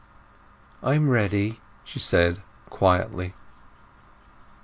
"I am ready," she said quietly.